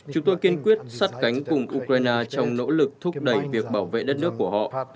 chúng tôi kiên quyết sát cánh cùng ukraine trong nỗ lực thúc đẩy việc bảo vệ đất nước của họ